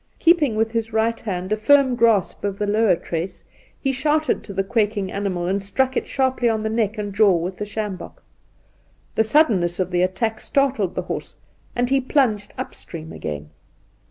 Keep ing with his right hand a firm grasp of the lower trace, he shouted to the quaking animal, and struck it sharply on the neck and jaw with the sjambok. The suddenness of the attack startled the horse, and he plunged up stream again.